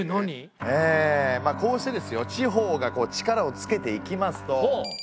まあこうしてですよ地方がこう力をつけていきますと。